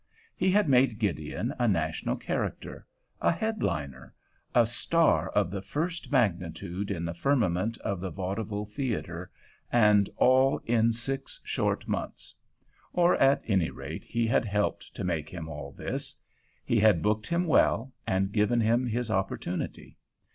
He had made Gideon a national character, a headliner, a star of the first magnitude in the firmament of the vaudeville theater, and all in six short months. Or, at any rate, he had helped to make him all this; he had booked him well and given him his opportunity.